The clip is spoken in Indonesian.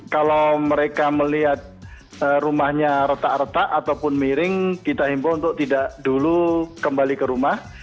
kalau mereka melihat rumahnya retak retak ataupun miring kita himbau untuk tidak dulu kembali ke rumah